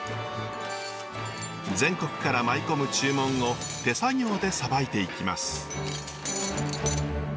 全国から舞い込む注文を手作業でさばいていきます。